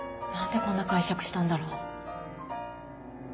んでこんな解釈したんだろう？